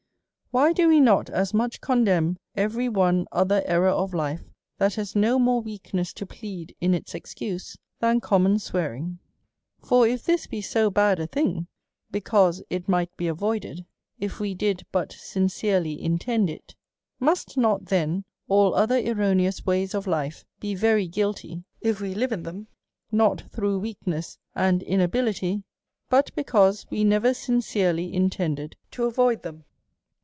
Why do we not * y ^{j iCas much condemn every one other error of life that .:/ /bas no more weakness to plead in its excuse than com /; mon swearing? For if this be so bad a thing, because it might be avoided, if we did but sincerely intend it, must not ^^^^^;p.^,^,tlien all other erroneous ways of life be very guilty, if /V we live in them, not through weakness and inability, ^:r / liut because we never sincerely intended to avoid them?